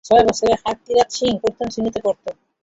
ছয় বছরের হারকিরাত সিং প্রথম শ্রেণিতে পড়ত।